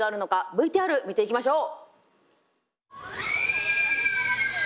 ＶＴＲ見ていきましょう。